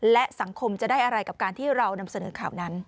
และสังคมจะได้อะไรกับการที่เรานำเสนอข่าวนั้น